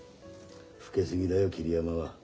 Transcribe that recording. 老け過ぎだよ桐山は。